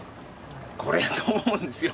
これやと思うんですよ。